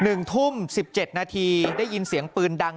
หนึ่งทุ่มสิบเจ็ดนาทีได้ยินเสียงปืนดัง